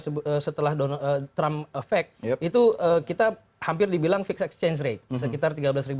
setelah donald trump effect itu kita hampir dibilang fix exchange rate sekitar tiga belas